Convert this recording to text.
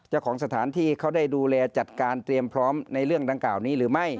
เจ้าของสถานที่เขาได้ดูแลจัดการเตรียมพร้อมในเรื่องดังกล่าวนี้หรือไม่